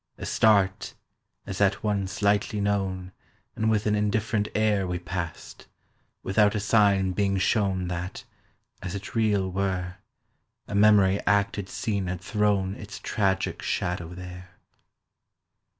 A start, as at one slightly known, And with an indifferent air We passed, without a sign being shown That, as it real were, A memory acted scene had thrown Its tragic shadow there.